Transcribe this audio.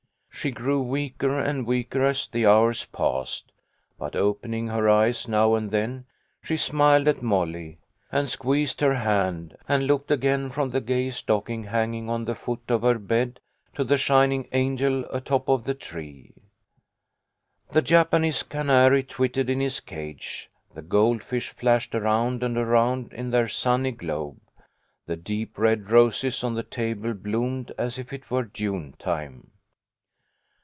She grew weaker and weaker as the hours passed, but, opening her eyes now and then, she smiled at Molly, and squeezed her hand, and looked again from the gay stocking hanging on the foot of her bed to the shining angel atop of the tree. The Japanese canary twittered in his cage ; the goldfish flashed around and around in their sunny globe ; the deep red roses on the table bloomed as if it were June time.